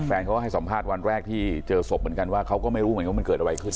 แฟนเขาก็ให้สัมภาษณ์วันแรกที่เจอศพเหมือนกันว่าเขาก็ไม่รู้เหมือนกันว่ามันเกิดอะไรขึ้น